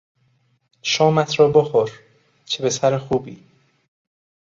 شامت را بخور - چه پسر خوبی!